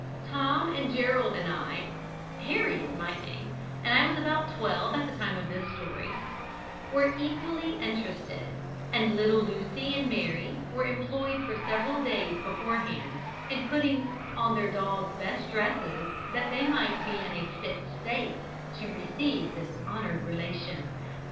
Tom and Gerald and I (Harry is my name, and I was about twelve at the time of this story) were equally interested, and little Lucy and Mary were employed for several days beforehand in putting on their dolls' best dresses, that they might be in a fit state to receive this honoured relation.